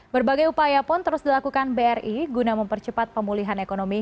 berbagai upaya pun terus dilakukan bri guna mempercepat pemulihan ekonomi